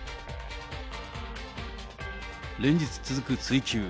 連日続く追及。